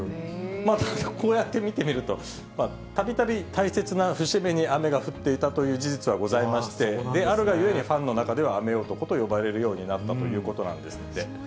またこうやって見てみると、たびたび大切な節目に雨が降っていたという事実はございまして、であるがゆえに、ファンの間では雨男と呼ばれるようになったということなんですって。